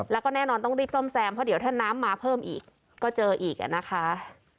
แล้วก็แน่นอนต้องรีบซ่อมแซมเพราะเดี๋ยวถ้าน้ำมาเพิ่มอีกก็เจออีกอ่ะนะคะ